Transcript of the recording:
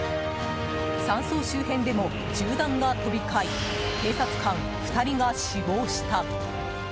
山荘周辺でも銃弾が飛び交い警察官２人が死亡した。